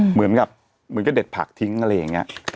เหมือนกับเหมือนก็เด็ดผักทิ้งอะไรอย่างนี้